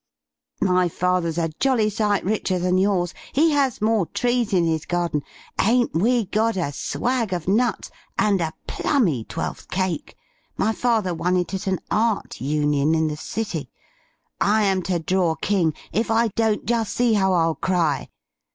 My father's a jolly sight richer than your's he has more trees in his garden ain't we got a "swag" of nuts, and a "plummy" twelfth cake my father won it at an art union, in the city! I am to draw King if I don't, just see how I'll cry!